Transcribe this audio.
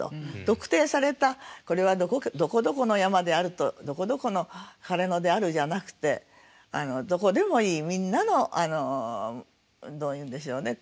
特定されたこれはどこどこの山であるとどこどこの枯れ野であるじゃなくてどこでもいいみんなのどう言うんでしょうね